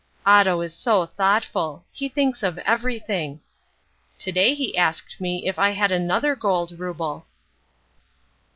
Otto is so thoughtful. He thinks of everything. To day he asked me if I had another gold rouble.